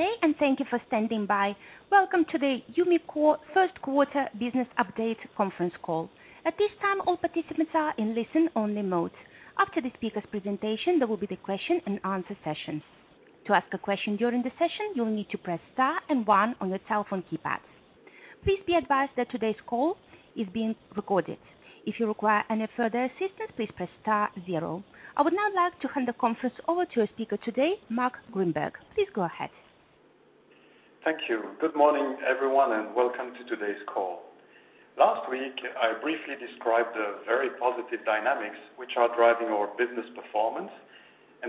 Good day. Thank you for standing by. Welcome to the Umicore First Quarter Business Update Conference Call. At this time, all participants are in listen-only mode. After the speaker's presentation, there will be the question-and-answer session. To ask a question during the session, you'll need to press star and one on your telephone keypads. Please be advised that today's call is being recorded. If you require any further assistance, please press star zero. I would now like to hand the conference over to our speaker today, Marc Grynberg. Please go ahead. Thank you. Good morning, everyone, and welcome to today's call. Last week, I briefly described the very positive dynamics which are driving our business performance.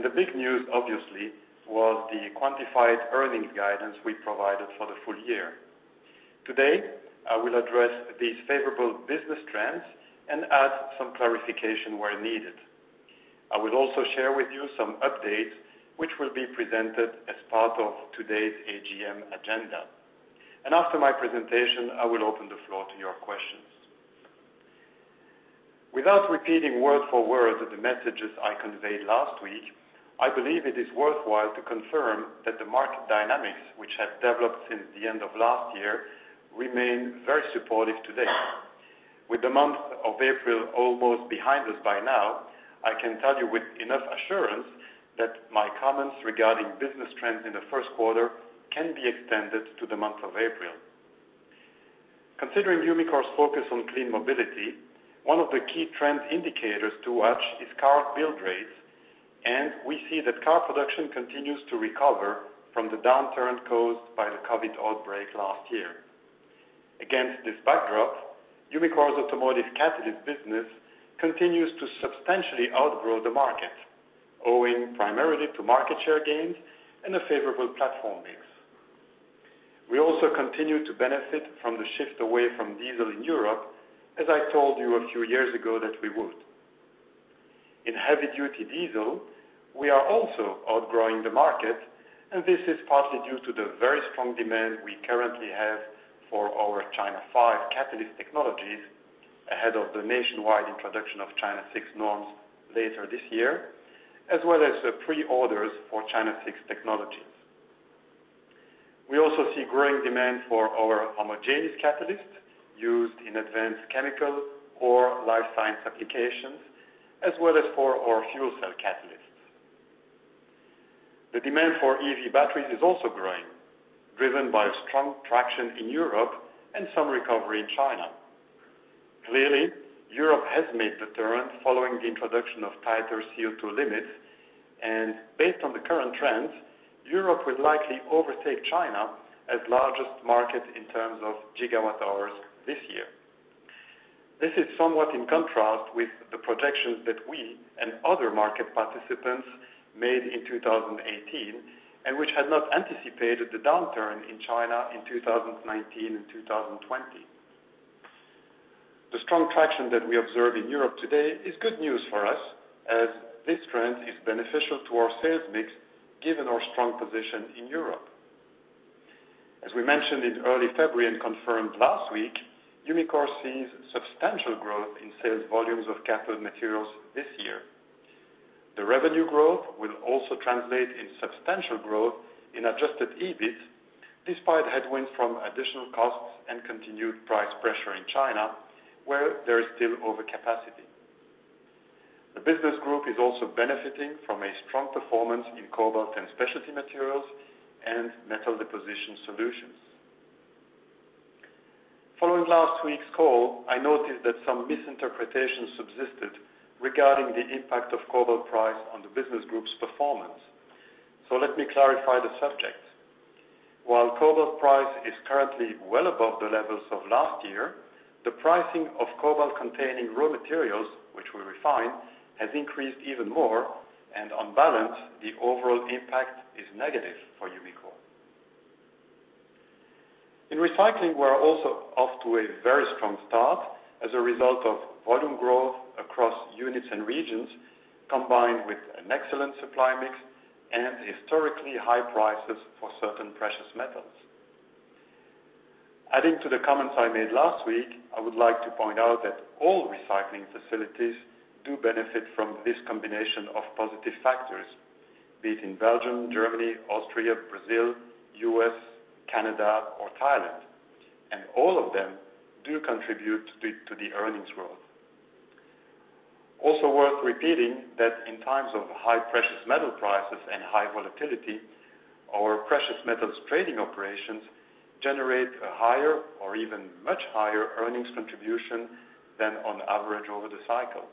The big news obviously was the quantified earnings guidance we provided for the full year. Today, I will address these favorable business trends and add some clarification where needed. I will also share with you some updates, which will be presented as part of today's AGM agenda. After my presentation, I will open the floor to your questions. Without repeating word for word the messages I conveyed last week, I believe it is worthwhile to confirm that the market dynamics which have developed since the end of last year remain very supportive today. With the month of April almost behind us by now, I can tell you with enough assurance that my comments regarding business trends in the first quarter can be extended to the month of April. Considering Umicore's focus on clean mobility, one of the key trend indicators to watch is car build rates, and we see that car production continues to recover from the downturn caused by the COVID outbreak last year. Against this backdrop, Umicore's automotive catalyst business continues to substantially outgrow the market, owing primarily to market share gains and a favorable platform mix. We also continue to benefit from the shift away from diesel in Europe, as I told you a few years ago that we would. In heavy duty diesel, we are also outgrowing the market, and this is partly due to the very strong demand we currently have for our China 5 catalyst technologies ahead of the nationwide introduction of China 6 norms later this year, as well as the pre-orders for China 6 technologies. We also see growing demand for our homogeneous catalysts used in advanced chemical or life science applications, as well as for our Fuel Cell catalysts. The demand for EV batteries is also growing, driven by strong traction in Europe and some recovery in China. Clearly, Europe has made the turn following the introduction of tighter CO2 limits, and based on the current trends, Europe will likely overtake China as largest market in terms of gigawatt hours this year. This is somewhat in contrast with the projections that we and other market participants made in 2018 and which had not anticipated the downturn in China in 2019 and 2020. The strong traction that we observe in Europe today is good news for us, as this trend is beneficial to our sales mix given our strong position in Europe. As we mentioned in early February and confirmed last week, Umicore sees substantial growth in sales volumes of cathode materials this year. The revenue growth will also translate in substantial growth in adjusted EBIT, despite headwinds from additional costs and continued price pressure in China, where there is still overcapacity. The business group is also benefiting from a strong performance in Cobalt & Specialty Materials and Metal Deposition Solutions. Following last week's call, I noticed that some misinterpretations subsisted regarding the impact of cobalt price on the business group's performance. Let me clarify the subject. While cobalt price is currently well above the levels of last year, the pricing of cobalt-containing raw materials, which we refine, has increased even more, and on balance, the overall impact is negative for Umicore. In recycling, we're also off to a very strong start as a result of volume growth across units and regions, combined with an excellent supply mix and historically high prices for certain precious metals. Adding to the comments I made last week, I would like to point out that all recycling facilities do benefit from this combination of positive factors, be it in Belgium, Germany, Austria, Brazil, U.S., Canada, or Thailand. All of them do contribute to the earnings growth. Also worth repeating that in times of high precious metal prices and high volatility, our precious metals trading operations generate a higher or even much higher earnings contribution than on average over the cycle.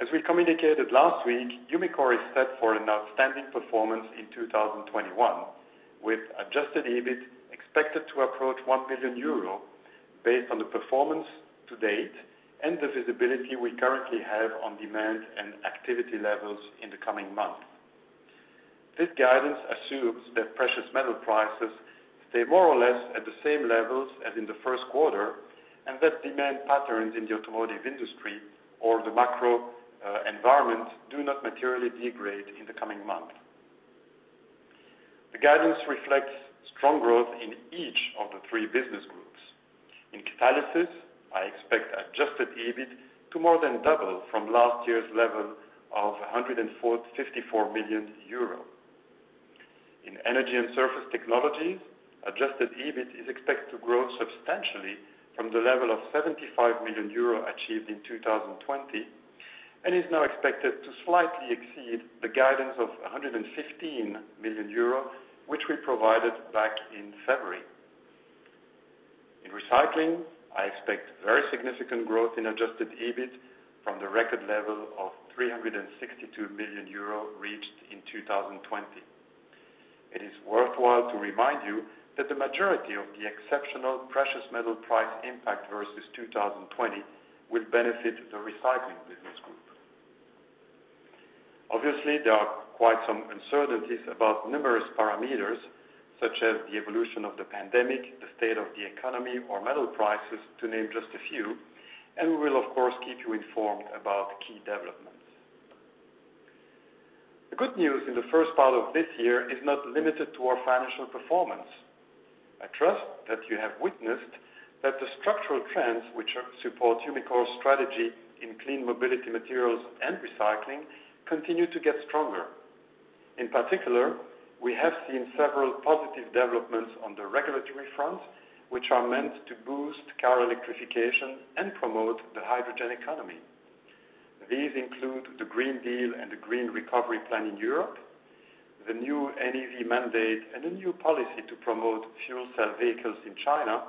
As we communicated last week, Umicore is set for an outstanding performance in 2021, with adjusted EBIT expected to approach 1 billion euro based on the performance to date and the visibility we currently have on demand and activity levels in the coming months. This guidance assumes that precious metal prices stay more or less at the same levels as in the first quarter, and that demand patterns in the automotive industry or the macro environment do not materially degrade in the coming months. The guidance reflects strong growth in each of the three business groups. In Catalysis, I expect adjusted EBIT to more than double from last year's level of 154 million euros. In Energy & Surface Technologies, adjusted EBIT is expected to grow substantially from the level of 75 million euro achieved in 2020 and is now expected to slightly exceed the guidance of 115 million euro, which we provided back in February. In Recycling, I expect very significant growth in adjusted EBIT from the record level of 362 million euro reached in 2020. It is worthwhile to remind you that the majority of the exceptional precious metal price impact versus 2020 will benefit the Recycling business group. There are quite some uncertainties about numerous parameters such as the evolution of the pandemic, the state of the economy, or metal prices, to name just a few, and we will, of course, keep you informed about key developments. The good news in the first part of this year is not limited to our financial performance. I trust that you have witnessed that the structural trends which support Umicore's strategy in clean mobility materials and Recycling continue to get stronger. In particular, we have seen several positive developments on the regulatory front, which are meant to boost car electrification and promote the hydrogen economy. These include the Green Deal and the Green Recovery Plan in Europe, the new NEV mandate, a new policy to promote fuel cell vehicles in China,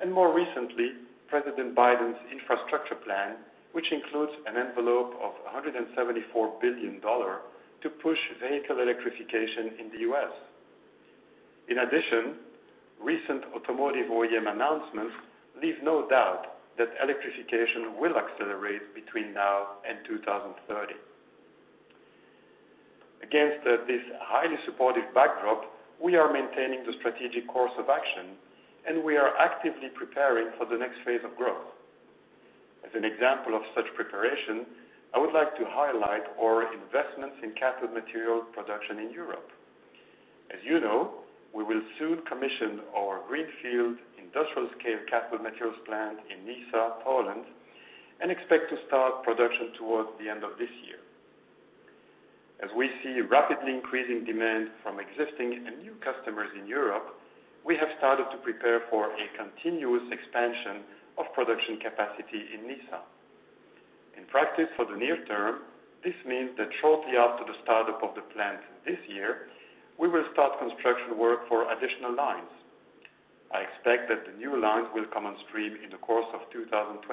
and more recently, President Biden's infrastructure plan, which includes an envelope of $174 billion to push vehicle electrification in the U.S. In addition, recent automotive OEM announcements leave no doubt that electrification will accelerate between now and 2030. Against this highly supportive backdrop, we are maintaining the strategic course of action, and we are actively preparing for the next phase of growth. As an example of such preparation, I would like to highlight our investments in cathode materials production in Europe. As you know, we will soon commission our greenfield industrial-scale cathode materials plant in Nysa, Poland, and expect to start production towards the end of this year. As we see rapidly increasing demand from existing and new customers in Europe, we have started to prepare for a continuous expansion of production capacity in Nysa. In practice for the near term, this means that shortly after the start-up of the plant this year, we will start construction work for additional lines. I expect that the new lines will come on stream in the course of 2023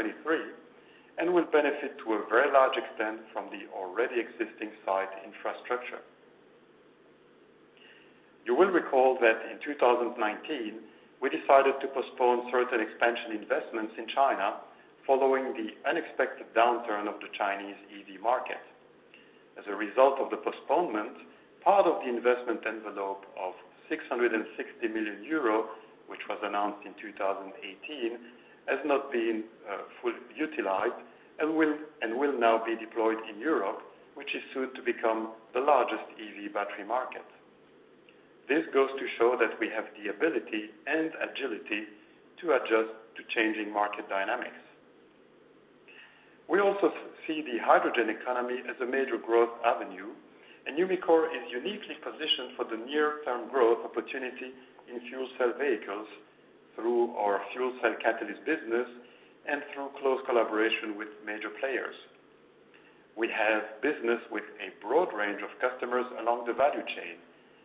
and will benefit to a very large extent from the already existing site infrastructure. You will recall that in 2019, we decided to postpone certain expansion investments in China following the unexpected downturn of the Chinese EV market. As a result of the postponement, part of the investment envelope of 660 million euro, which was announced in 2018, has not been fully utilized and will now be deployed in Europe, which is soon to become the largest EV battery market. This goes to show that we have the ability and agility to adjust to changing market dynamics. We also see the hydrogen economy as a major growth avenue, and Umicore is uniquely positioned for the near-term growth opportunity in fuel cell vehicles through our Fuel Cell catalysts business and through close collaboration with major players. We have business with a broad range of customers along the value chain,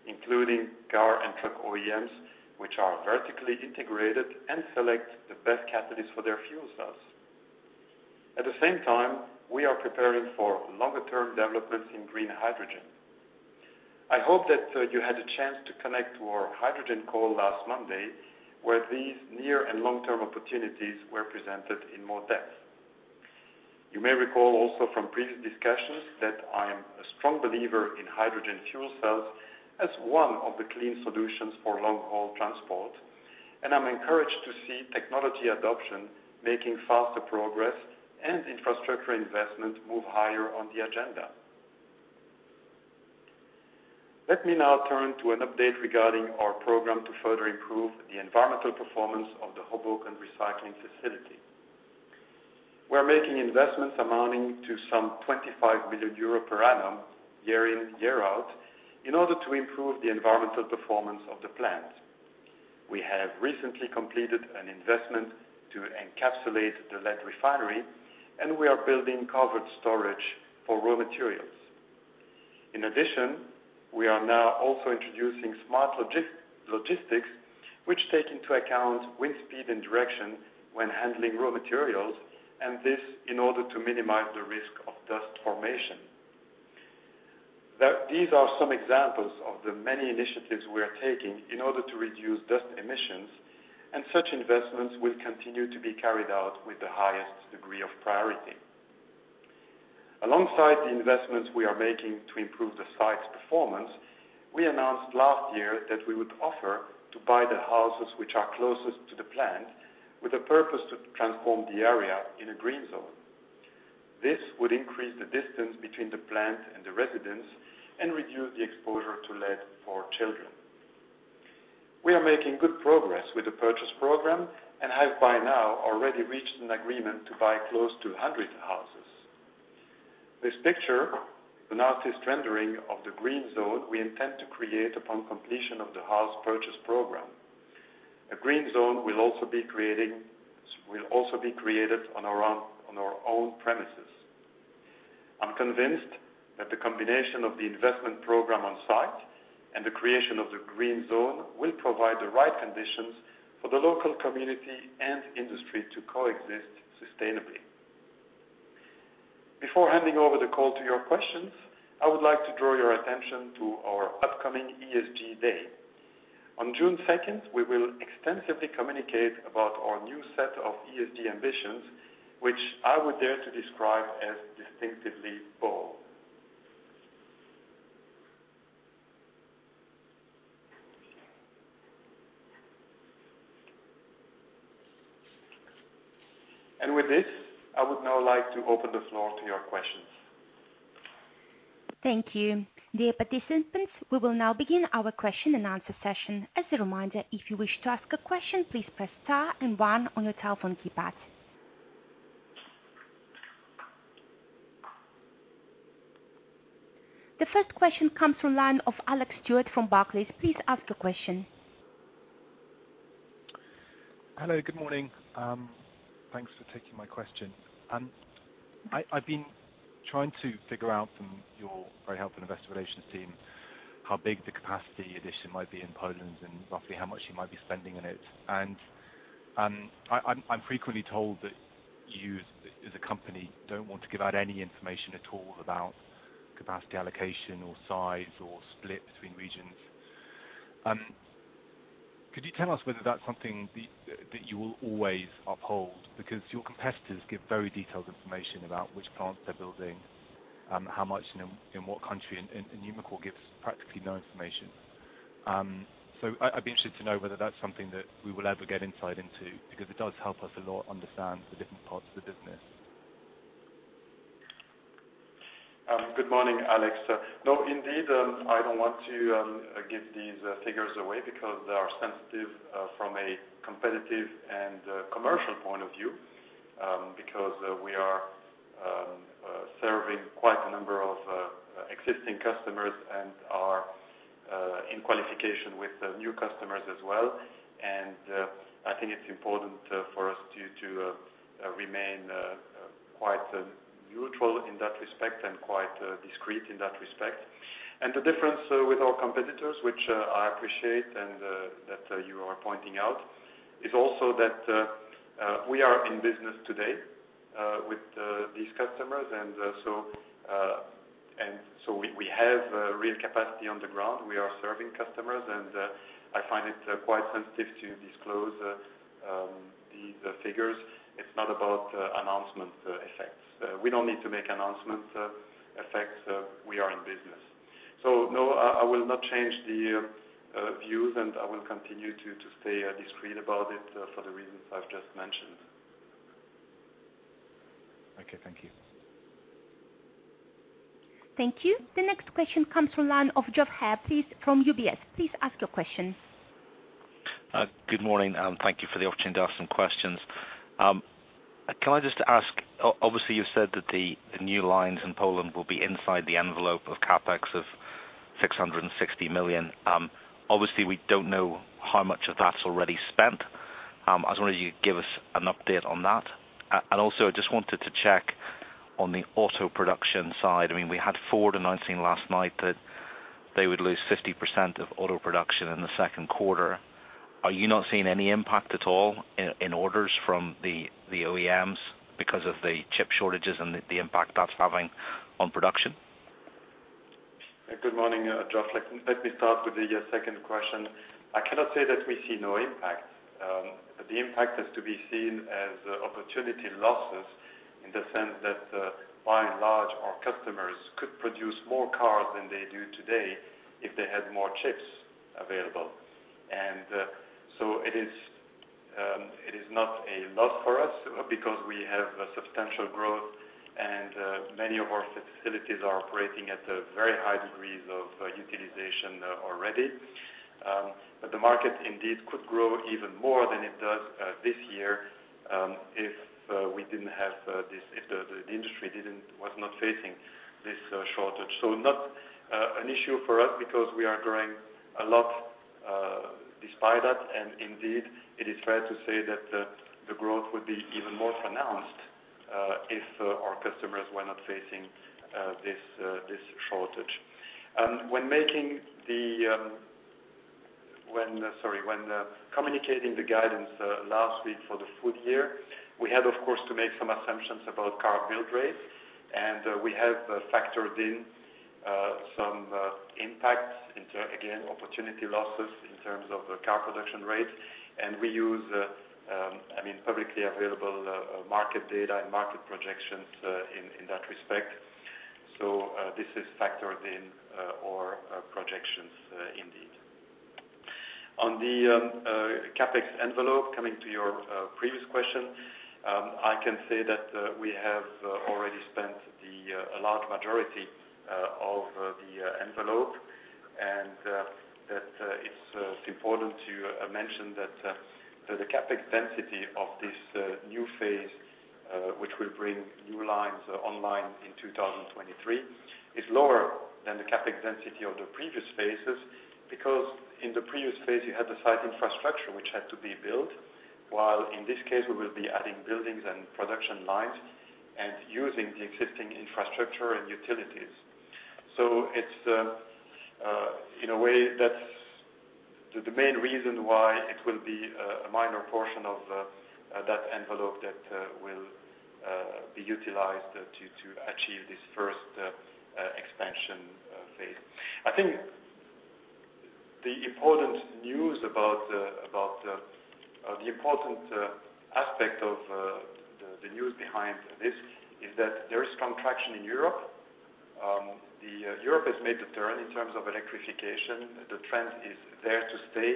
including car and truck OEMs, which are vertically integrated and select the best catalyst for their fuel cells. At the same time, we are preparing for longer-term developments in green hydrogen. I hope that you had a chance to connect to our hydrogen call last Monday, where these near and long-term opportunities were presented in more depth. You may recall also from previous discussions that I am a strong believer in hydrogen fuel cells as one of the clean solutions for long-haul transport, and I'm encouraged to see technology adoption making faster progress and infrastructure investment move higher on the agenda. Let me now turn to an update regarding our program to further improve the environmental performance of the Hoboken recycling facility. We're making investments amounting to some 25 million euro per annum, year in, year out, in order to improve the environmental performance of the plant. We have recently completed an investment to encapsulate the lead refinery, and we are building covered storage for raw materials. In addition, we are now also introducing smart logistics, which take into account wind speed and direction when handling raw materials, and this in order to minimize the risk of dust formation. These are some examples of the many initiatives we are taking in order to reduce dust emissions, and such investments will continue to be carried out with the highest degree of priority. Alongside the investments we are making to improve the site's performance, we announced last year that we would offer to buy the houses which are closest to the plant with a purpose to transform the area in a green zone. This would increase the distance between the plant and the residence and reduce the exposure to lead for children. We are making good progress with the purchase program and have by now already reached an agreement to buy close to 100 houses. This picture, an artist's rendering of the green zone we intend to create upon completion of the house purchase program. A green zone will also be created on our own premises. I'm convinced that the combination of the investment program on site and the creation of the green zone will provide the right conditions for the local community and industry to coexist sustainably. Before handing over the call to your questions, I would like to draw your attention to our upcoming ESG day. On June 2nd, we will extensively communicate about our new set of ESG ambitions, which I would dare to describe as distinctively bold. With this, I would now like to open the floor to your questions. Thank you. Dear participants, we will now begin our question-and-answer session. As a reminder, if you wish to ask a question, please press star and one on your telephone keypad. The first question comes from line of Alex Stewart from Barclays. Please ask the question. Hello. Good morning. Thanks for taking my question. I've been trying to figure out from your very helpful investor relations team how big the capacity addition might be in Poland and roughly how much you might be spending on it. I'm frequently told that you as a company don't want to give out any information at all about capacity allocation or size or split between regions. Could you tell us whether that's something that you will always uphold, because your competitors give very detailed information about which plants they're building how much in what country, and Umicore gives practically no information. I'd be interested to know whether that's something that we will ever get insight into, because it does help us a lot understand the different parts of the business. Good morning, Alex. Indeed, I don't want to give these figures away because they are sensitive, from a competitive and commercial point of view, because we are serving quite a number of existing customers and are in qualification with new customers as well. I think it's important for us to remain quite neutral in that respect and quite discreet in that respect. The difference with our competitors, which I appreciate and that you are pointing out, is also that we are in business today with these customers. We have real capacity on the ground. We are serving customers. I find it quite sensitive to disclose these figures. It's not about announcement effects. We don't need to make announcement effects. We are in business. No, I will not change the views, and I will continue to stay discreet about it for the reasons I've just mentioned. Okay. Thank you. Thank you. The next question comes from line of Geoff Haire from UBS. Please ask your question. Good morning. Thank you for the opportunity to ask some questions. Can I just ask, obviously, you've said that the new lines in Poland will be inside the envelope of CapEx of 660 million. Obviously, we don't know how much of that's already spent. I just wonder if you could give us an update on that. Also, I just wanted to check on the auto production side. We had Ford announcing last night that they would lose 50% of auto production in the second quarter. Are you not seeing any impact at all in orders from the OEMs because of the chip shortages and the impact that's having on production? Good morning, Geoff. Let me start with the second question. I cannot say that we see no impact. The impact is to be seen as opportunity losses in the sense that by and large, our customers could produce more cars than they do today if they had more chips available. It is not a lot for us because we have substantial growth, and many of our facilities are operating at very high degrees of utilization already. The market indeed could grow even more than it does this year, if the industry was not facing this shortage. Not an issue for us because we are growing a lot, despite that. Indeed, it is fair to say that the growth would be even more pronounced, if our customers were not facing this shortage. When communicating the guidance last week for the full year, we had, of course, to make some assumptions about car build rates. We have factored in some impacts into, again, opportunity losses in terms of car production rates. We use publicly available market data and market projections in that respect. This is factored in our projections indeed. On the CapEx envelope, coming to your previous question, I can say that we have already spent the large majority of the envelope, and that it's important to mention that the CapEx density of this new phase, which will bring new lines online in 2023, is lower than the CapEx density of the previous phases. In the previous phase, you had the site infrastructure, which had to be built, while in this case, we will be adding buildings and production lines and using the existing infrastructure and utilities. In a way, that's the main reason why it will be a minor portion of that envelope that will be utilized to achieve this first expansion phase. I think the important aspect of the news behind this is that there is contraction in Europe. Europe has made the turn in terms of electrification. The trend is there to stay.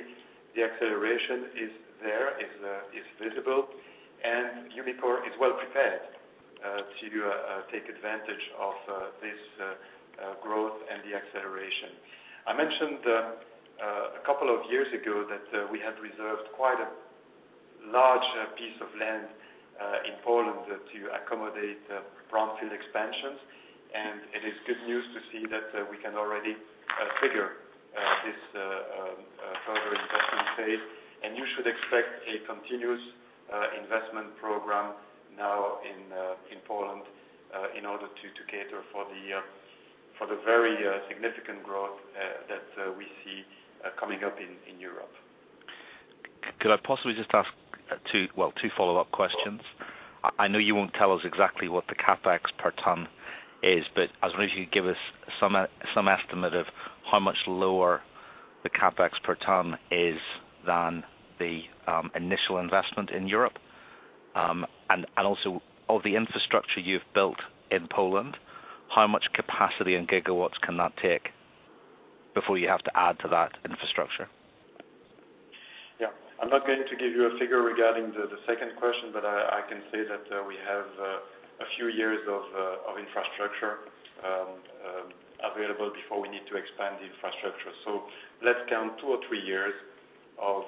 The acceleration is there, is visible, and Umicore is well prepared to take advantage of this growth and the acceleration. I mentioned a couple of years ago that we had reserved quite a large piece of land in Poland to accommodate brownfield expansions, and it is good news to see that we can already figure this further investment phase. You should expect a continuous investment program now in Poland in order to cater for the very significant growth that we see coming up in Europe. Could I possibly just ask two follow-up questions? Sure. I know you won't tell us exactly what the CapEx per ton is, but I was wondering if you could give us some estimate of how much lower the CapEx per ton is than the initial investment in Europe. Also, of the infrastructure you've built in Poland, how much capacity in gigawatts can that take before you have to add to that infrastructure? Yeah. I'm not going to give you a figure regarding the second question, but I can say that we have a few years of infrastructure available before we need to expand the infrastructure. Let's count two or three years of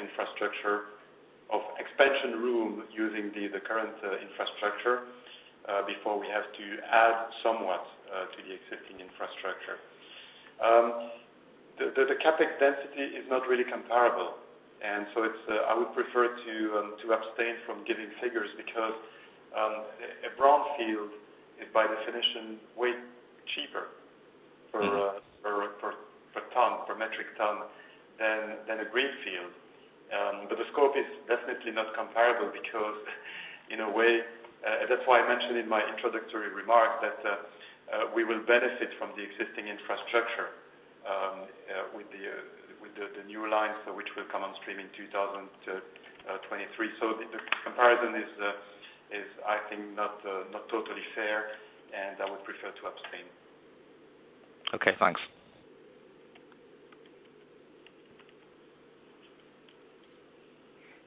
infrastructure, of expansion room using the current infrastructure, before we have to add somewhat to the existing infrastructure. The CapEx density is not really comparable, and so I would prefer to abstain from giving figures because a brownfield is, by definition, way cheaper per metric ton than a greenfield. The scope is definitely not comparable because, in a way that's why I mentioned in my introductory remarks that we will benefit from the existing infrastructure with the new lines which will come on stream in 2023. The comparison is, I think, not totally fair, and I would prefer to abstain. Okay, thanks.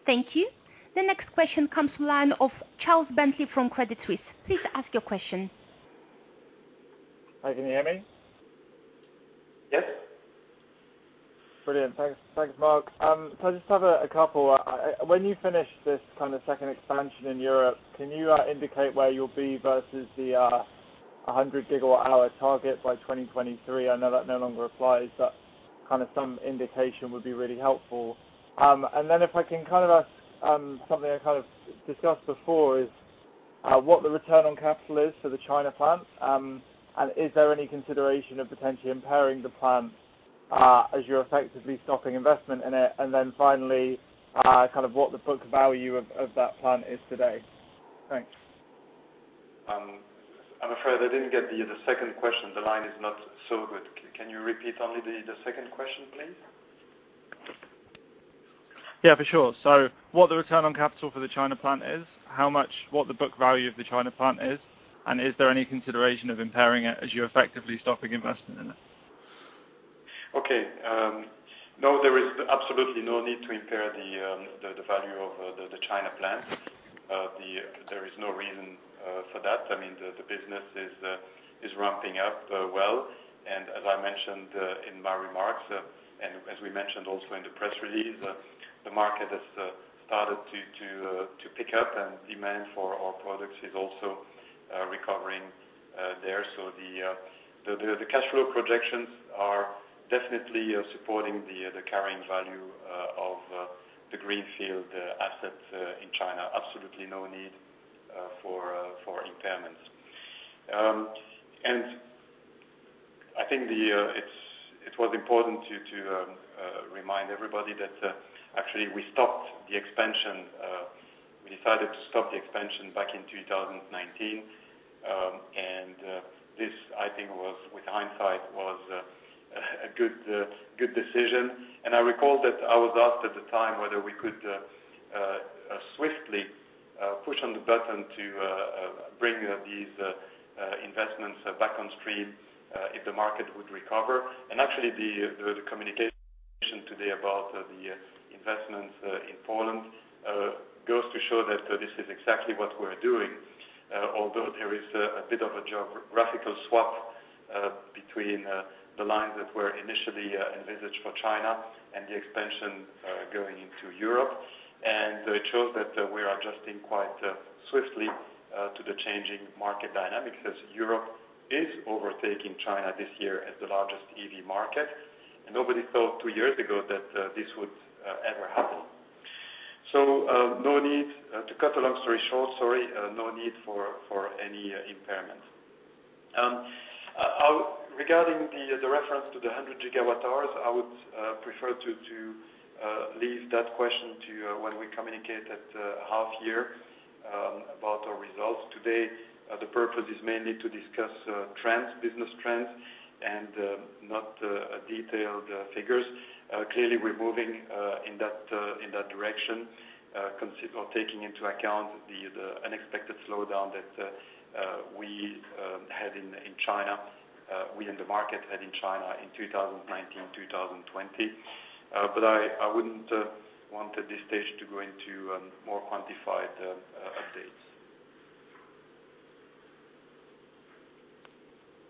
Thank you. The next question comes from the line of Charles Bentley from Credit Suisse. Please ask your question. Hi, can you hear me? Yes. Brilliant. Thanks, Marc. I just have a couple. When you finish this kind of second expansion in Europe, can you indicate where you'll be versus the 100 GWh target by 2023? I know that no longer applies, but kind of some indication would be really helpful. If I can kind of ask something I kind of discussed before is what the return on capital is for the China plant. Is there any consideration of potentially impairing the plant as you're effectively stopping investment in it? Finally, kind of what the book value of that plant is today. Thanks. I'm afraid I didn't get the second question. The line is not so good. Can you repeat only the second question, please? Yeah, for sure. What the return on capital for the China plant is, what the book value of the China plant is, and is there any consideration of impairing it as you're effectively stopping investment in it? Okay. No, there is absolutely no need to impair the value of the China plant. There is no reason for that. I mean, the business is ramping up well. As I mentioned in my remarks, and as we mentioned also in the press release, the market has started to pick up and demand for our products is also recovering there. The cash flow projections are definitely supporting the carrying value of the greenfield assets in China. Absolutely no need for impairments. I think it was important to remind everybody that actually we decided to stop the expansion back in 2019. This, I think, with hindsight, was a good decision. I recall that I was asked at the time whether we could swiftly push on the button to bring these investments back on stream if the market would recover. Actually, the communication today about the investments in Poland goes to show that this is exactly what we're doing. Although there is a bit of a geographical swap between the lines that were initially envisaged for China and the expansion going into Europe. It shows that we are adjusting quite swiftly to the changing market dynamic, because Europe is overtaking China this year as the largest EV market. Nobody thought two years ago that this would ever happen. To cut a long story short, sorry, no need for any impairment. Regarding the reference to the 100 GWh, I would prefer to leave that question to when we communicate at half year about our results. Today, the purpose is mainly to discuss trends, business trends, and not detailed figures. Clearly, we're moving in that direction taking into account the unexpected slowdown that we had in China. We, in the market, had in China in 2019, 2020. I wouldn't want at this stage to go into more quantified updates.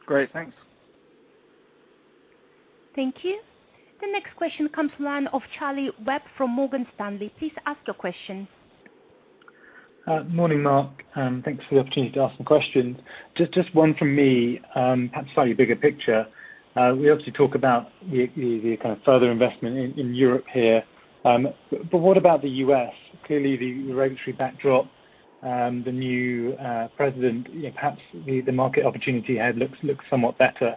Great. Thanks. Thank you. The next question comes to the line of Charlie Webb from Morgan Stanley. Please ask your question. Morning, Marc. Thanks for the opportunity to ask some questions. Just one from me, perhaps slightly bigger picture. We obviously talk about the kind of further investment in Europe here. What about the U.S.? Clearly the regulatory backdrop, the new president, perhaps the market opportunity ahead looks somewhat better.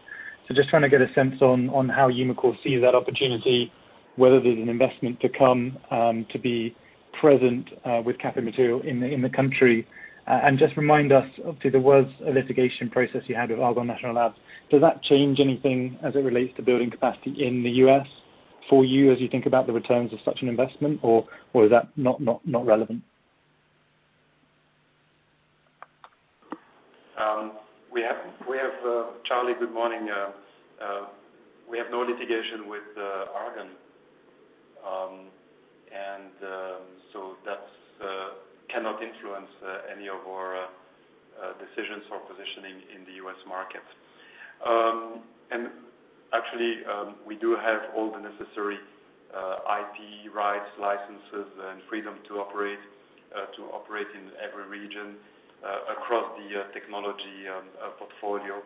Just trying to get a sense on how Umicore sees that opportunity, whether there's an investment to come to be present with cathode material in the country. Just remind us, obviously there was a litigation process you had with Argonne National Laboratory. Does that change anything as it relates to building capacity in the U.S. for you as you think about the returns of such an investment, or is that not relevant? Charlie, good morning. We have no litigation with Argonne. That cannot influence any of our decisions or positioning in the U.S. market. Actually, we do have all the necessary IP rights, licenses, and freedom to operate in every region across the technology portfolio.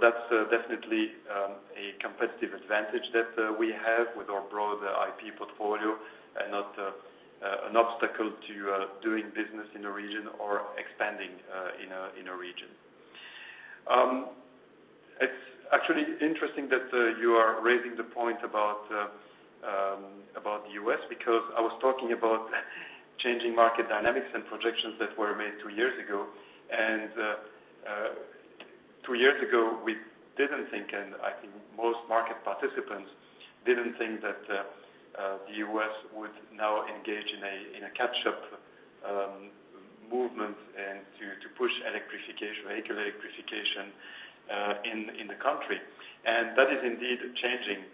That's definitely a competitive advantage that we have with our broad IP portfolio and not an obstacle to doing business in a region or expanding in a region. It's actually interesting that you are raising the point about the U.S., because I was talking about changing market dynamics and projections that were made two years ago. Two years ago, we didn't think, and I think most market participants didn't think that the U.S. would now engage in a catch-up movement and to push electrification, vehicle electrification, in the country. That is indeed changing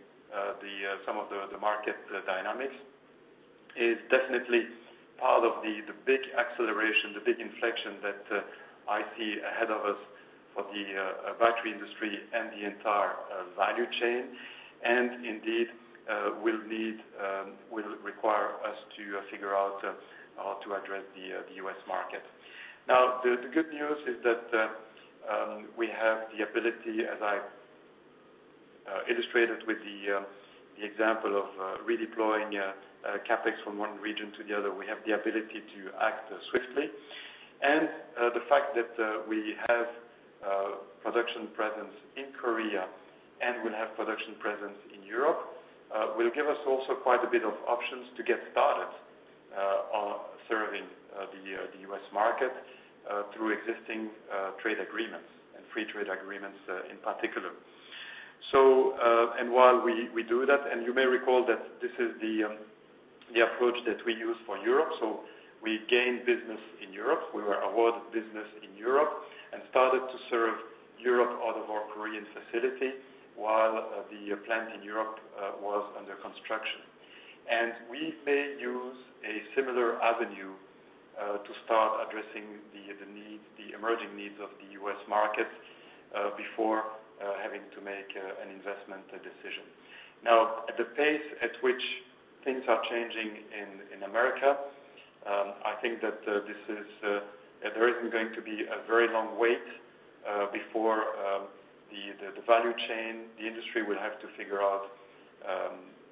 some of the market dynamics. It's definitely part of the big acceleration, the big inflection that I see ahead of us for the battery industry and the entire value chain. Indeed, will require us to figure out how to address the U.S. market. Now, the good news is that we have the ability, as I illustrated with the example of redeploying CapEx from one region to the other. We have the ability to act swiftly. The fact that we have production presence in Korea and will have production presence in Europe will give us also quite a bit of options to get started on serving the U.S. market through existing trade agreements and free trade agreements in particular. While we do that, and you may recall that this is the approach that we use for Europe. We gained business in Europe. We were awarded business in Europe and started to serve Europe out of our Korean facility while the plant in Europe was under construction. We may use a similar avenue to start addressing the emerging needs of the U.S. market before having to make an investment decision. Now, at the pace at which things are changing in America, I think that there isn't going to be a very long wait before the value chain, the industry will have to figure out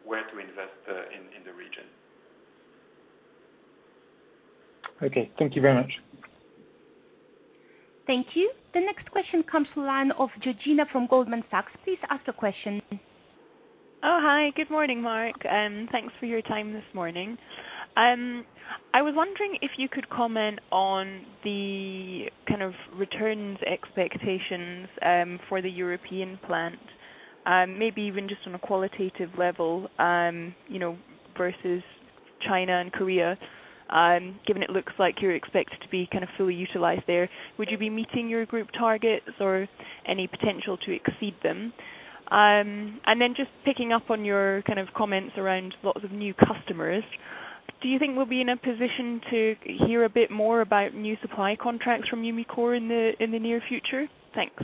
where to invest in the region. Okay. Thank you very much. Thank you. The next question comes to the line of Georgina from Goldman Sachs. Please ask your question. Hi. Good morning, Marc. Thanks for your time this morning. I was wondering if you could comment on the kind of returns expectations for the European plant, maybe even just on a qualitative level, versus China and Korea, given it looks like you're expected to be kind of fully utilized there. Would you be meeting your group targets or any potential to exceed them? Just picking up on your kind of comments around lots of new customers, do you think we'll be in a position to hear a bit more about new supply contracts from Umicore in the near future? Thanks.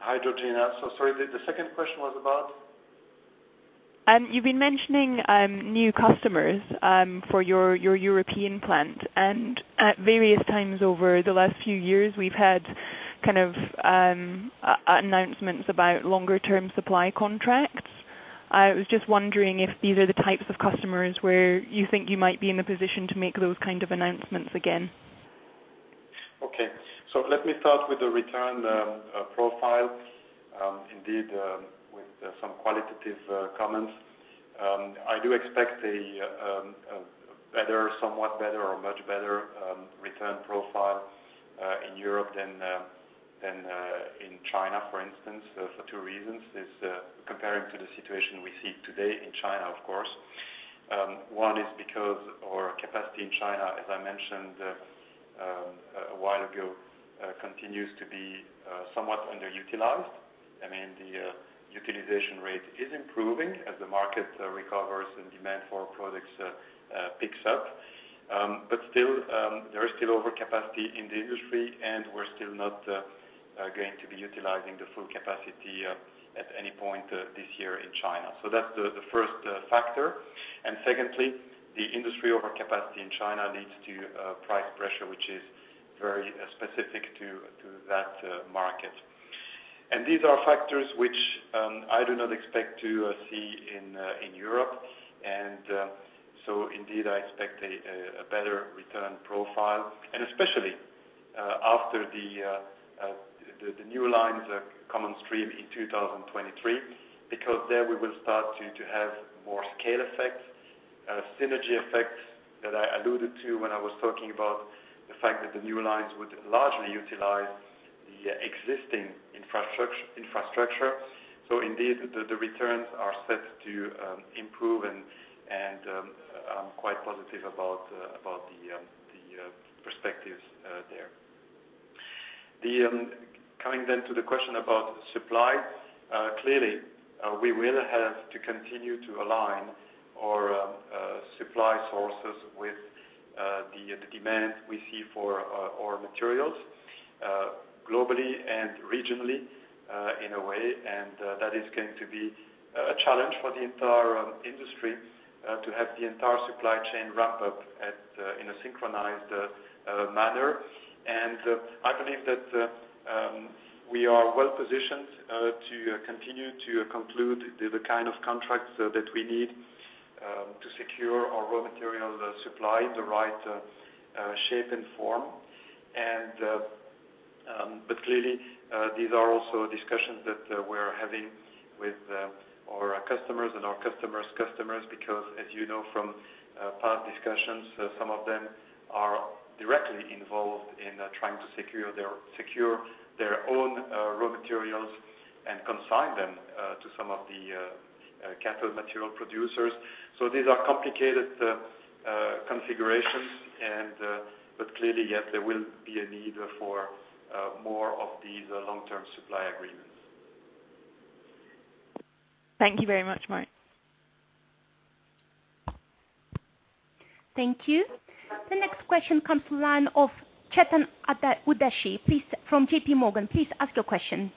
Hi, Georgina. Sorry, the second question was about? You've been mentioning new customers for your European plant. At various times over the last few years, we've had kind of announcements about longer term supply contracts. I was just wondering if these are the types of customers where you think you might be in a position to make those kind of announcements again? Okay. Let me start with the return profile. Indeed, with some qualitative comments. I do expect a better, somewhat better or much better return profile in Europe than in China, for instance, for two reasons. This is comparing to the situation we see today in China, of course. One is because our capacity in China, as I mentioned a while ago, continues to be somewhat underutilized. I mean, the utilization rate is improving as the market recovers and demand for our products picks up. There is still overcapacity in the industry, and we're still not going to be utilizing the full capacity at any point this year in China. That's the first factor. Secondly, the industry overcapacity in China leads to price pressure, which is very specific to that market. These are factors which I do not expect to see in Europe. Indeed, I expect a better return profile. Especially, after the new lines come on stream in 2023, because then we will start to have more scale effects, synergy effects that I alluded to when I was talking about the fact that the new lines would largely utilize the existing infrastructure. Indeed, the returns are set to improve and I'm quite positive about the perspectives there. Coming to the question about supply. Clearly, we will have to continue to align our supply sources with the demand we see for our materials globally and regionally in a way. That is going to be a challenge for the entire industry to have the entire supply chain ramp up in a synchronized manner. I believe that we are well-positioned to continue to conclude the kind of contracts that we need to secure our raw material supply in the right shape and form. Clearly, these are also discussions that we're having with our customers and our customer's customers because as you know from past discussions, some of them are directly involved in trying to secure their own raw materials and consign them to some of the cathode material producers. These are complicated configurations, but clearly, yes, there will be a need for more of these long-term supply agreements. Thank you very much, Marc. Thank you. The next question comes from the line of Chetan Udeshi. Please, from JPMorgan, ask your question.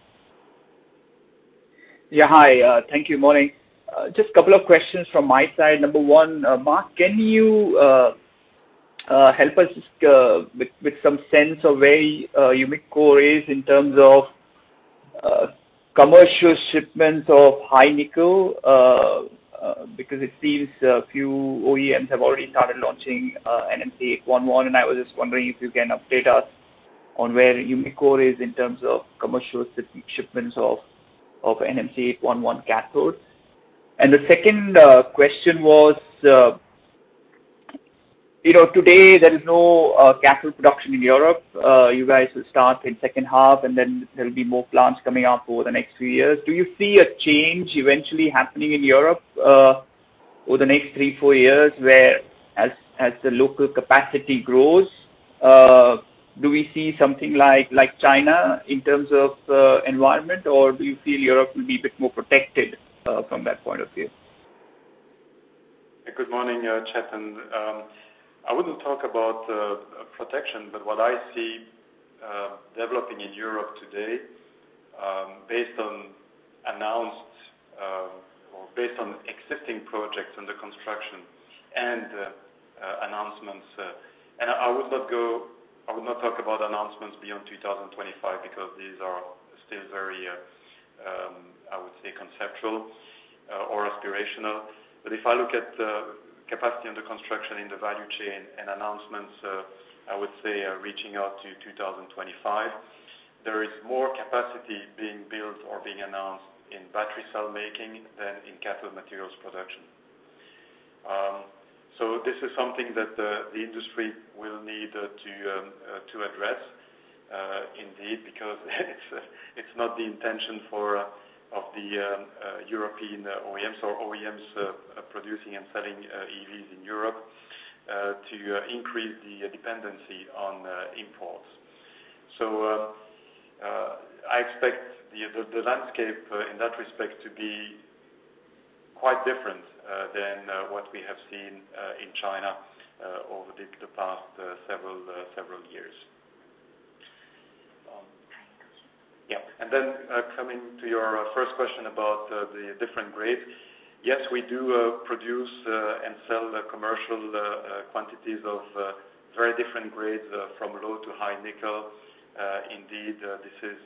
Hi, thank you. Morning. Just couple of questions from my side. Number one, Marc, can you help us with some sense of where Umicore is in terms of commercial shipments of high nickel? It seems a few OEMs have already started launching NMC 811, and I was just wondering if you can update us on where Umicore is in terms of commercial shipments of NMC 811 cathodes. The second question was, today there is no cathode production in Europe. You guys will start in second half, there'll be more plants coming up over the next few years. Do you see a change eventually happening in Europe over the next three, four years where as the local capacity grows, do we see something like China in terms of environment, or do you feel Europe will be a bit more protected from that point of view? Good morning, Chetan. I wouldn't talk about protection, what I see developing in Europe today, based on announced or based on existing projects under construction and announcements. I would not talk about announcements beyond 2025 because these are still very, I would say, conceptual or aspirational. If I look at the capacity under construction in the value chain and announcements, I would say, reaching out to 2025, there is more capacity being built or being announced in battery cell making than in cathode materials production. This is something that the industry will need to address, indeed, because it's not the intention of the European OEMs or OEMs producing and selling EVs in Europe to increase the dependency on imports. I expect the landscape in that respect to be quite different than what we have seen in China over the past several years. Okay, got you. Yeah. Then coming to your first question about the different grades. Yes, we do produce and sell commercial quantities of very different grades, from low to high nickel. Indeed, this is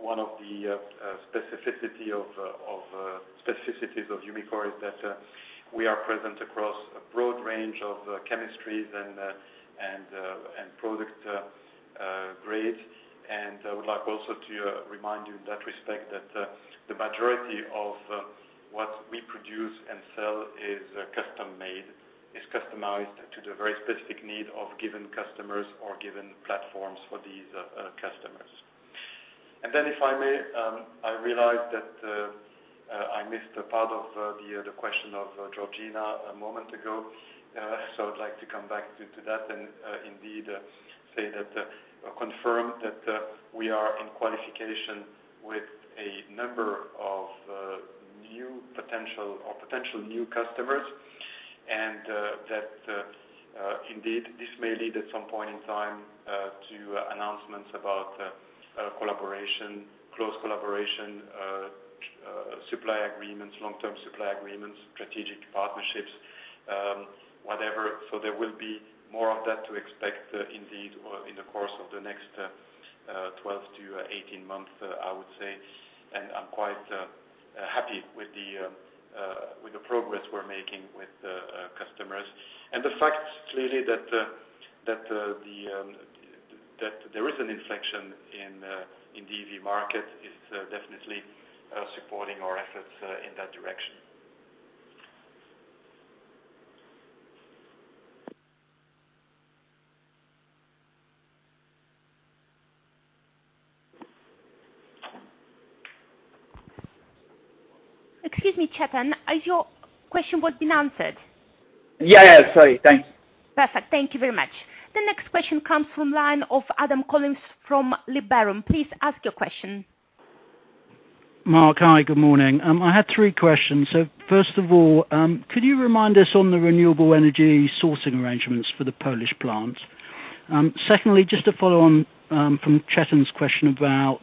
one of the specificities of Umicore, is that we are present across a broad range of chemistries and product grades. I would like also to remind you in that respect that the majority of what we produce and sell is custom made, is customized to the very specific need of given customers or given platforms for these customers. Then, if I may, I realized that I missed a part of the question of Georgina a moment ago. I'd like to come back to that and indeed confirm that we are in qualification with a number of potential new customers and that indeed, this may lead at some point in time to announcements about close collaboration, supply agreements, long-term supply agreements, strategic partnerships, whatever. There will be more of that to expect indeed in the course of the next 12-18 months, I would say. I'm quite happy with the progress we're making with customers. The fact clearly that there is an inflection in the EV market is definitely supporting our efforts in that direction. Excuse me, Chetan, has your question been answered? Yeah. Sorry. Thanks. Perfect. Thank you very much. The next question comes from line of Adam Collins from Liberum. Please ask your question. Marc, hi. Good morning. I had three questions. First of all, could you remind us on the renewable energy sourcing arrangements for the Polish plant? Secondly, just to follow on from Chetan's question about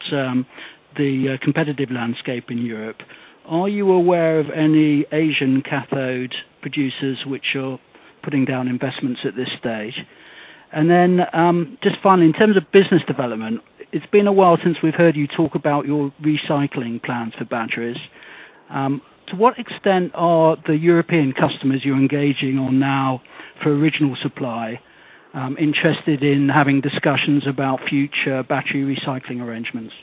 the competitive landscape in Europe, are you aware of any Asian cathode producers which are putting down investments at this stage? Just finally, in terms of business development, it's been a while since we've heard you talk about your recycling plans for batteries. To what extent are the European customers you're engaging on now for original supply, interested in having discussions about future battery recycling arrangements?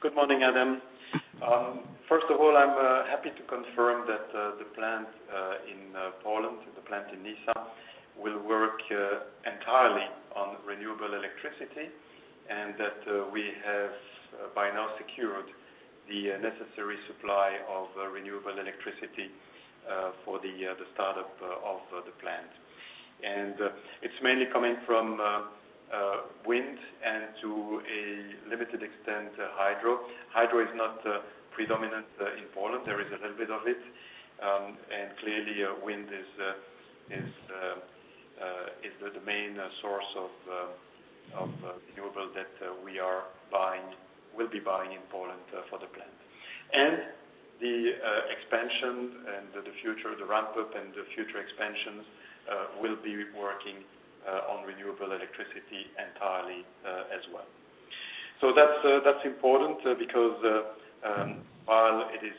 Good morning, Adam. First of all, I'm happy to confirm that the plant in Poland, the plant in Nysa, will work entirely on renewable electricity, that we have by now secured the necessary supply of renewable electricity for the startup of the plant. It's mainly coming from wind and to a limited extent, hydro. Hydro is not predominant in Poland. There is a little bit of it. Clearly wind is the main source of renewable that we'll be buying in Poland for the plant. The expansion and the future, the ramp-up and the future expansions will be working on renewable electricity entirely as well. That's important because while it is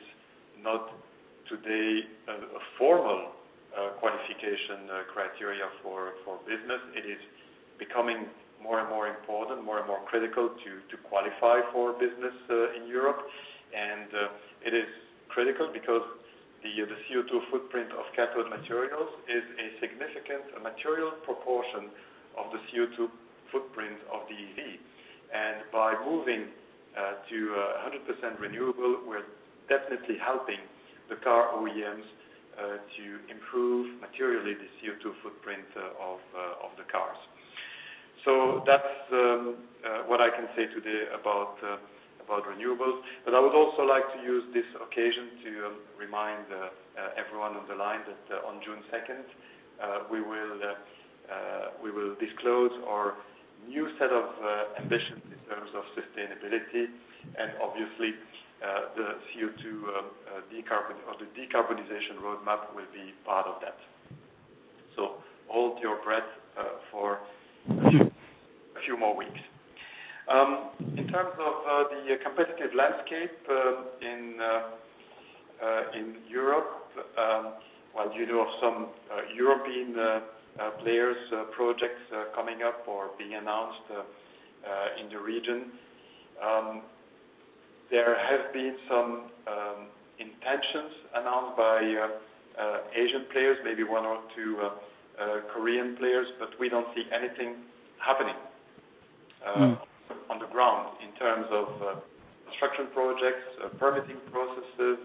not today a formal qualification criteria for business, it is becoming more and more important, more and more critical to qualify for business in Europe. It is critical because the CO2 footprint of cathode materials is a significant material proportion of the CO2 footprint of the EV. By moving to 100% renewable, we're definitely helping the car OEMs to improve materially the CO2 footprint of the cars. That's what I can say today about renewables. I would also like to use this occasion to remind everyone on the line that on June 2nd, we will disclose our new set of ambitions in terms of sustainability. Obviously, the CO2 decarbonization roadmap will be part of that. Hold your breath for a few more weeks. In terms of the competitive landscape in Europe while you know of some European players projects coming up or being announced in the region. There have been some intentions announced by Asian players, maybe one or two Korean players, but we don't see anything happening on the ground in terms of construction projects, permitting processes,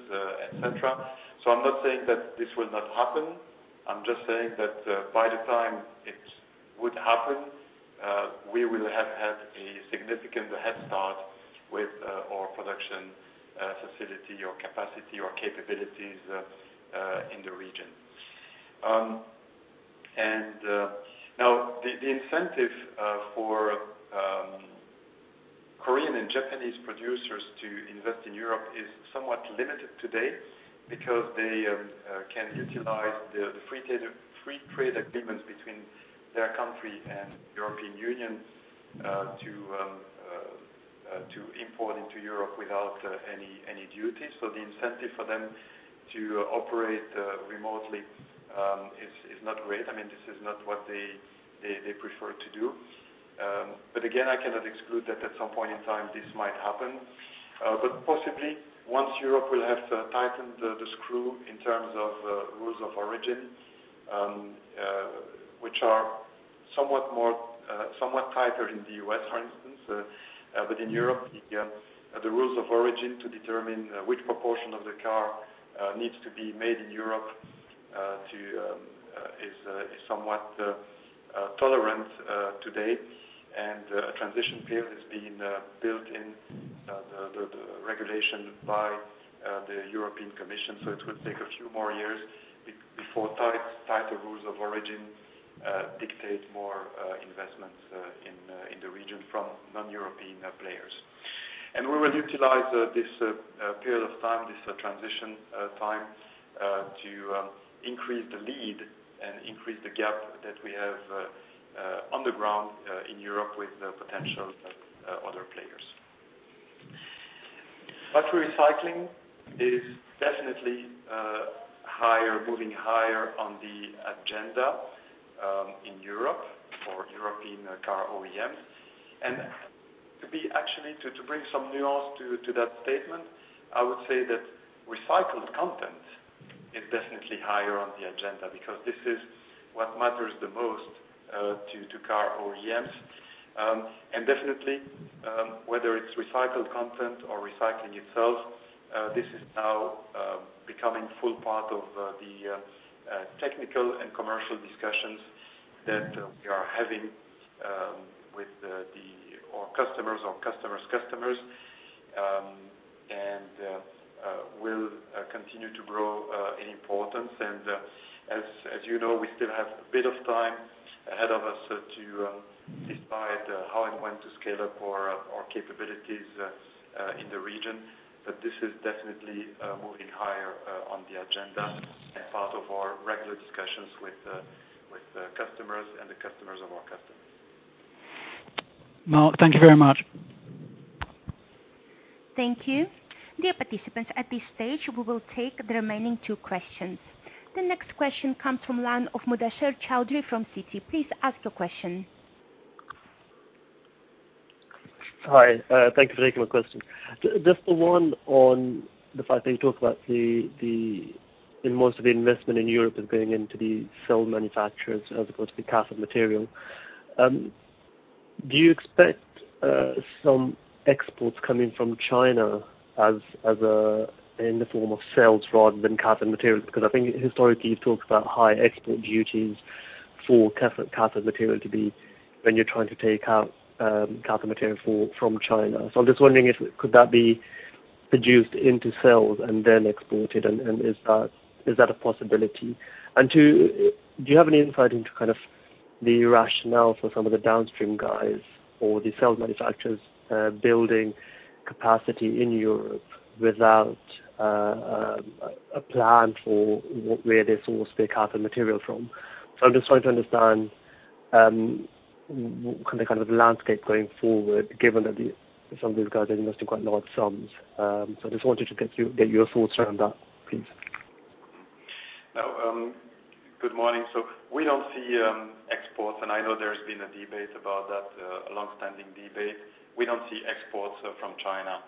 et cetera. I'm not saying that this will not happen. I'm just saying that by the time it would happen, we will have had a significant head start with our production facility or capacity or capabilities in the region. Now the incentive for Korean and Japanese producers to invest in Europe is somewhat limited today because they can utilize the free trade agreements between their country and European Union to import into Europe without any duties. The incentive for them to operate remotely is not great. This is not what they prefer to do. Again, I cannot exclude that at some point in time this might happen. Possibly once Europe will have tightened the screw in terms of rules of origin, which are somewhat tighter in the U.S., for instance. In Europe, the rules of origin to determine which proportion of the car needs to be made in Europe is somewhat tolerant today, and a transition period has been built in the regulation by the European Commission. It will take a few more years before tighter rules of origin dictate more investments in the region from non-European players. We will utilize this period of time, this transition time, to increase the lead and increase the gap that we have on the ground in Europe with potential other players. Battery recycling is definitely moving higher on the agenda in Europe for European car OEMs. To be actually, to bring some nuance to that statement, I would say that recycled content is definitely higher on the agenda because this is what matters the most to car OEMs. Definitely, whether it's recycled content or recycling itself, this is now becoming full part of the technical and commercial discussions that we are having with our customers, our customers' customers, and will continue to grow in importance. As you know, we still have a bit of time ahead of us to decide how and when to scale up our capabilities in the region. This is definitely moving higher on the agenda and part of our regular discussions with customers and the customers of our customers. Marc, thank you very much. Thank you. Dear participants, at this stage, we will take the remaining two questions. The next question comes from line of Mubasher Chaudhry from Citi. Please ask your question. Hi. Thank you for taking my question. Just the one on the fact that you talk about most of the investment in Europe is going into the cell manufacturers as opposed to the cathode material. Do you expect some exports coming from China in the form of cells rather than cathode material? I think historically you've talked about high export duties for cathode material when you're trying to take out cathode material from China. I'm just wondering if could that be produced into cells and then exported, and is that a possibility? Two, do you have any insight into kind of the rationale for some of the downstream guys or the cell manufacturers building capacity in Europe without a plan for where they source their cathode material from? I'm just trying to understand kind of the landscape going forward, given that some of these guys are investing quite large sums. I just wanted to get your thoughts around that, please. Good morning. We don't see exports, and I know there's been a debate about that, a longstanding debate. We don't see exports from China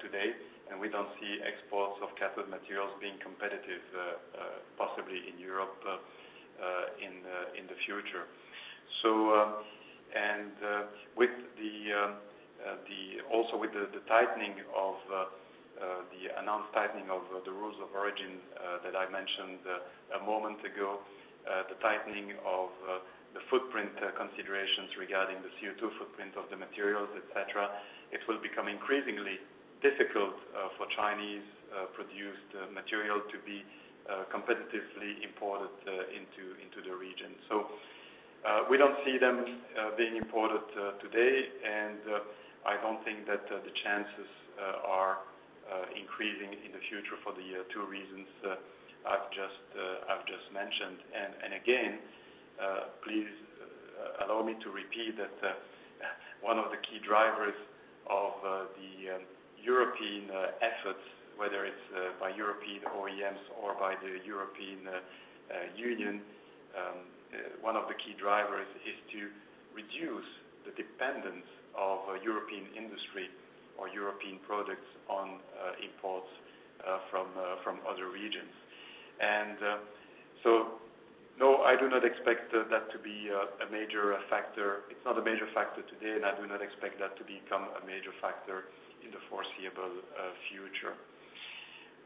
today, and we don't see exports of cathode materials being competitive, possibly in Europe, in the future. Also with the tightening of the announced tightening of the rules of origin that I mentioned a moment ago, the tightening of the footprint considerations regarding the CO2 footprint of the materials, et cetera, it will become increasingly difficult for Chinese-produced material to be competitively imported into the region. We don't see them being imported today, and I don't think that the chances are increasing in the future for the two reasons I've just mentioned. Please allow me to repeat that one of the key drivers of the European efforts, whether it's by European OEMs or by the European Union, one of the key drivers is to reduce the dependence of European industry or European products on imports from other regions. No, I do not expect that to be a major factor. It's not a major factor today, and I do not expect that to become a major factor in the foreseeable future.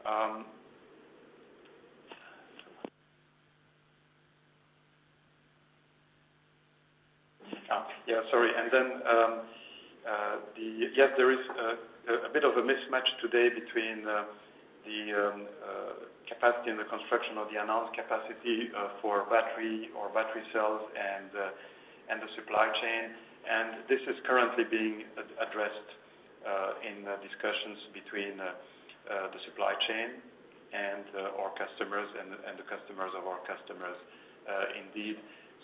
Sorry. Yes, there is a bit of a mismatch today between the capacity and the construction of the announced capacity for battery or battery cells and the supply chain. This is currently being addressed in discussions between the supply chain and our customers and the customers of our customers indeed.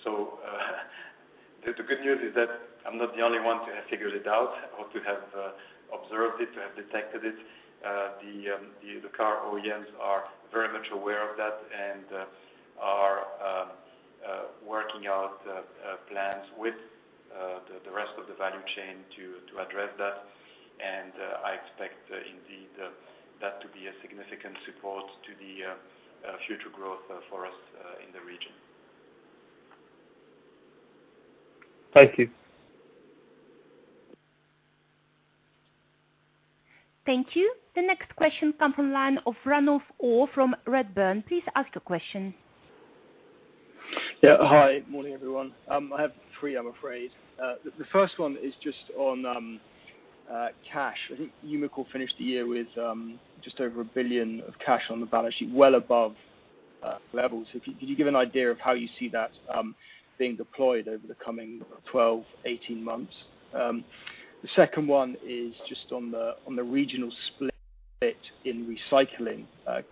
The good news is that I'm not the only one to have figured it out or to have observed it, to have detected it. The car OEMs are very much aware of that and are working out plans with the rest of the value chain to address that. I expect indeed that to be a significant support to the future growth for us in the region. Thank you. Thank you. The next question comes from line of Ranulf Orr from Redburn. Please ask your question. Yeah. Hi. Morning, everyone. I have three, I'm afraid. The first one is just on cash. I think Umicore finished the year with just over 1 billion of cash on the balance sheet, well above levels. Could you give an idea of how you see that being deployed over the coming 12-18 months? The second one is just on the regional split in Recycling.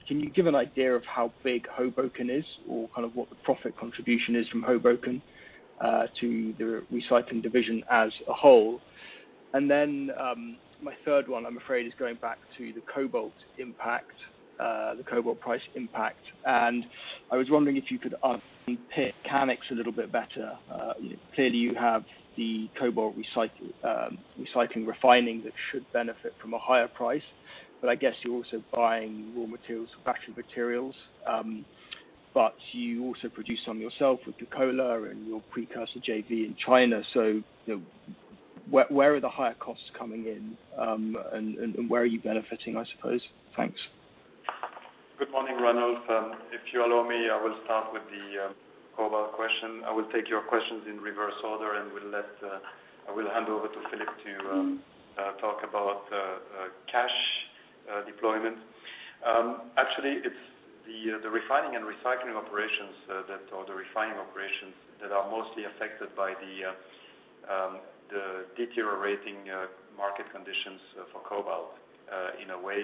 Can you give an idea of how big Hoboken is or kind of what the profit contribution is from Hoboken to the Recycling division as a whole? My third one, I'm afraid, is going back to the cobalt impact, the cobalt price impact, and I was wondering if you could unpick Canix a little bit better. Clearly you have the cobalt recycling refining that should benefit from a higher price. I guess you're also buying raw materials for battery materials. You also produce some yourself with Kokkola and your precursor JV in China. Where are the higher costs coming in? Where are you benefiting, I suppose? Thanks. Good morning, Ranulf. If you allow me, I will start with the cobalt question. I will take your questions in reverse order, and I will hand over to Filip to talk about cash deployment. Actually, it's the refining and recycling operations or the refining operations that are mostly affected by the deteriorating market conditions for cobalt in a way.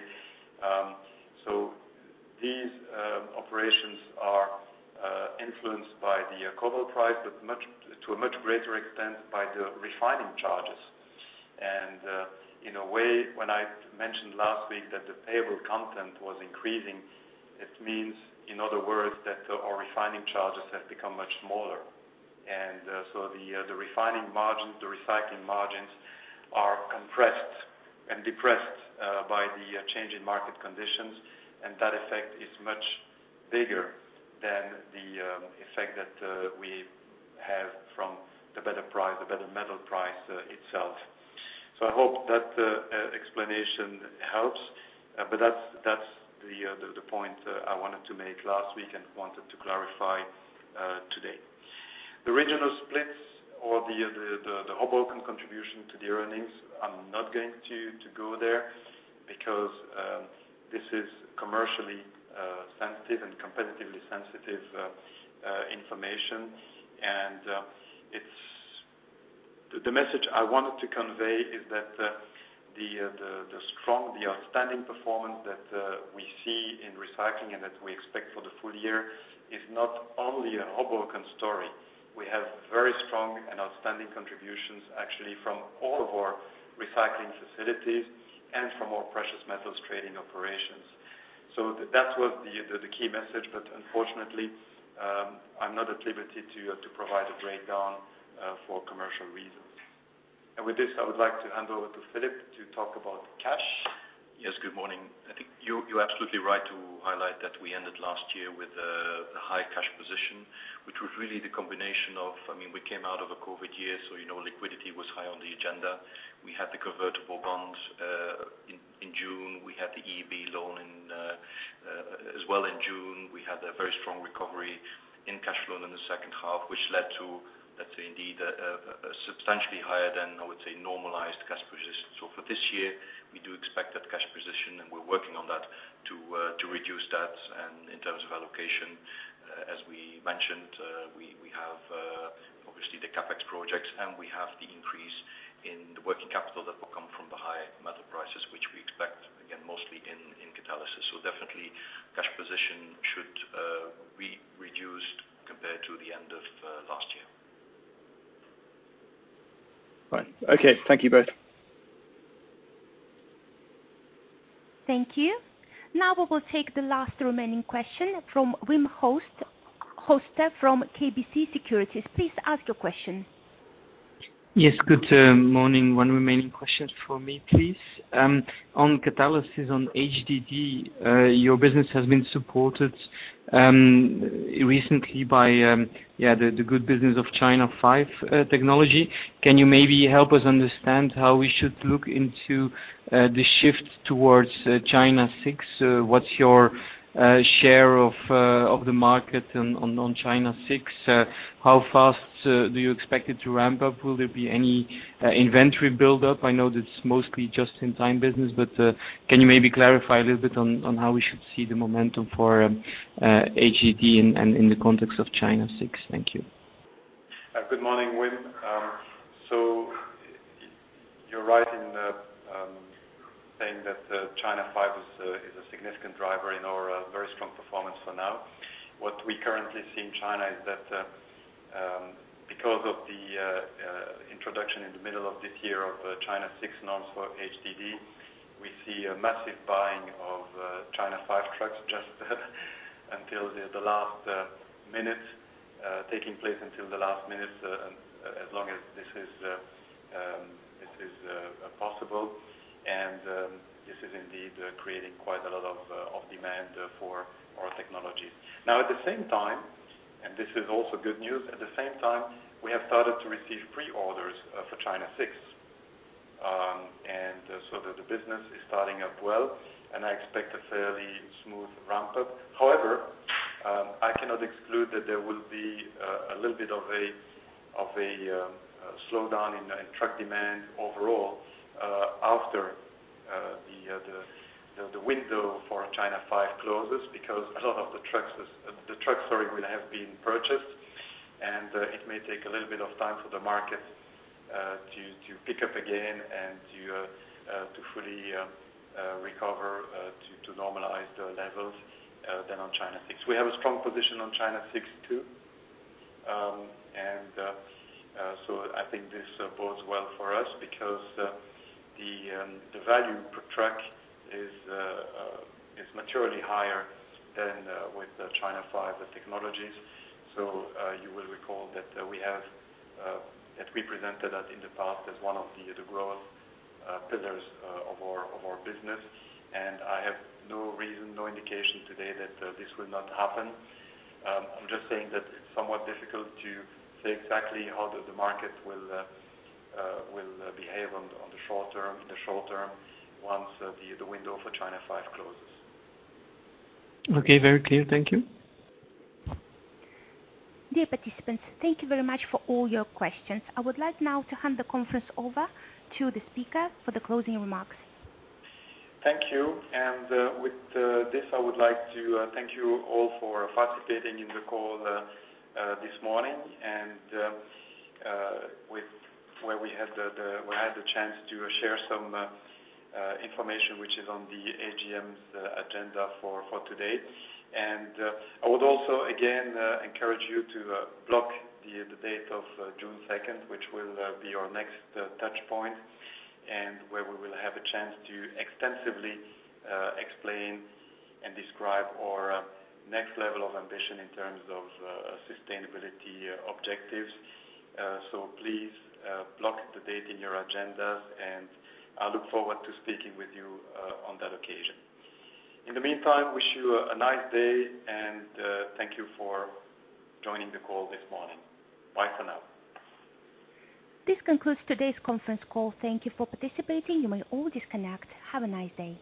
These operations are influenced by the cobalt price, but to a much greater extent by the refining charges. In a way, when I mentioned last week that the payable content was increasing, it means, in other words, that our refining charges have become much smaller. The refining margins, the recycling margins are compressed and depressed by the change in market conditions, and that effect is much bigger than the effect that we have from the better metal price itself. I hope that explanation helps. That's the point I wanted to make last week and wanted to clarify today. The regional splits or the Hoboken contribution to the earnings, I'm not going to go there because this is commercially sensitive and competitively sensitive information. The message I wanted to convey is that the outstanding performance that we see in Recycling and that we expect for the full year is not only a Hoboken story. We have very strong and outstanding contributions, actually, from all of our Recycling facilities and from our precious metals trading operations. That was the key message. Unfortunately, I'm not at liberty to provide a breakdown for commercial reasons. With this, I would like to hand over to Filip to talk about cash. Yes, good morning. I think you're absolutely right to highlight that we ended last year with a high cash position, which was really the combination of, we came out of a COVID year, so liquidity was high on the agenda. We had the convertible bonds in June. We had the EIB loan as well in June. We had a very strong recovery in cash flow in the second half, which led to, let's say indeed, a substantially higher than, I would say, normalized cash position. For this year, we do expect that cash position, and we're working on that to reduce that. In terms of allocation, as we mentioned, we have obviously the CapEx projects, and we have the increase in the working capital that will come from the higher metal prices. Catalysis. Definitely cash position should be reduced compared to the end of last year. Right. Okay. Thank you both. Thank you. Now we will take the last remaining question from Wim Hoste from KBC Securities. Please ask your question. Yes. Good morning. One remaining question from me, please. On Catalysis, on HDD, your business has been supported recently by the good business of China 5 technology. Can you maybe help us understand how we should look into the shift towards China 6? What's your share of the market on China 6? How fast do you expect it to ramp up? Will there be any inventory buildup? I know that it's mostly just-in-time business, but can you maybe clarify a little bit on how we should see the momentum for HDD in the context of China 6? Thank you. Good morning, Wim. You're right in saying that China 5 is a significant driver in our very strong performance for now. What we currently see in China is that because of the introduction in the middle of this year of China 6 norms for HDD, we see a massive buying of China 5 trucks just until the last minute, taking place until the last minute, as long as this is possible. This is indeed creating quite a lot of demand for our technology. At the same time, and this is also good news, at the same time, we have started to receive pre-orders for China 6. The business is starting up well, and I expect a fairly smooth ramp-up. However, I cannot exclude that there will be a little bit of a slowdown in truck demand overall after the window for China 5 closes, because a lot of the trucks will have been purchased, and it may take a little bit of time for the market to pick up again and to fully recover to normalize the levels than on China 6. We have a strong position on China 6 too. I think this bodes well for us because the value per truck is materially higher than with China 5 technologies. You will recall that we presented that in the past as one of the growth pillars of our business, and I have no reason, no indication today that this will not happen. I'm just saying that it's somewhat difficult to say exactly how the market will behave on the short term, once the window for China 5 closes. Okay. Very clear. Thank you. Dear participants, thank you very much for all your questions. I would like now to hand the conference over to the speaker for the closing remarks. Thank you. With this, I would like to thank you all for participating in the call this morning and where we had the chance to share some information which is on the AGM's agenda for today. I would also, again, encourage you to block the date of June 2nd, which will be our next touch point. Where we will have a chance to extensively explain and describe our next level of ambition in terms of sustainability objectives. Please block the date in your agendas, and I look forward to speaking with you on that occasion. In the meantime, wish you a nice day, and thank you for joining the call this morning. Bye for now. This concludes today's conference call. Thank you for participating. You may all disconnect. Have a nice day.